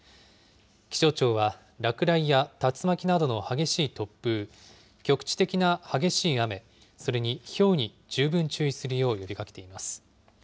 気象庁は落雷や竜巻などの激しい突風、局地的な激しい雨、それにひょうに十分注意するよう呼びかけています。